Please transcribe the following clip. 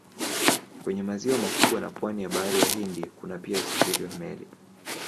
Kwenye maziwa makubwa na pwani ya Bahari Hindi kuna pia usafiri wa meli.